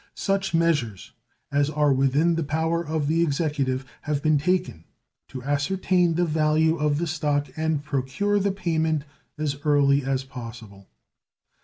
Such measures as are within the power of the Executive have been taken to ascertain the value of the stock and procure the payment as early as possible.